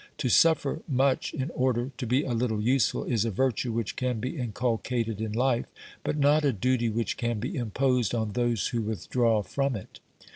To suffer much in order to be a little useful is a virtue which can be inculcated in life, but not a duty which can be imposed on those who withdraw from it.